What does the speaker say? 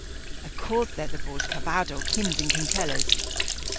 Y kodh dhedha bos kavadow kyns an kuntelles.